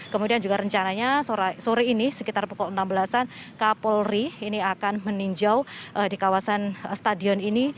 kemudian juga rencananya sore ini sekitar pukul enam belas an kapolri ini akan meninjau di kawasan stadion ini